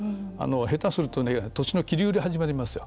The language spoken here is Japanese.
下手すると土地の切り売り、始まりますよ。